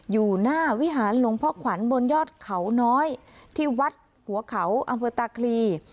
อยู่หน้าวิหารหลวงพ่อขวัญบนยอดเขาน้อยที่วัดหัวเขาอำเภอตาคลี